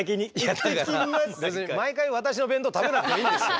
別に毎回私の弁当食べなくていいんですよ。